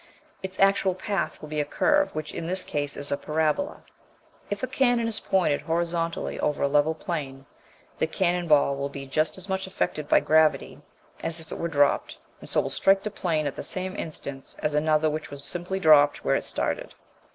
Its actual path will be a curve, which in this case is a parabola. (Fig. 57.) If a cannon is pointed horizontally over a level plain, the cannon ball will be just as much affected by gravity as if it were dropped, and so will strike the plain at the same instant as another which was simply dropped where it started.